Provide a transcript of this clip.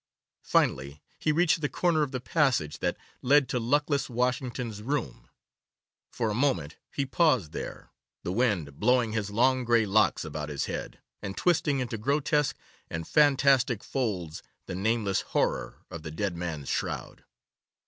Finally he reached the corner of the passage that led to luckless Washington's room. For a moment he paused there, the wind blowing his long grey locks about his head, and twisting into grotesque and fantastic folds the nameless horror of the dead man's shroud.